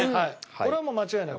これはもう間違いない。